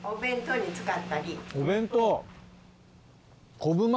お弁当。